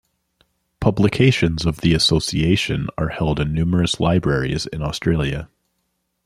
Publications of the association are held in numerous libraries in Australia.